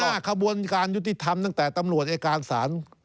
ว่าขบวนการยุติธรรมตั้งแต่ตำรวจอายการศาล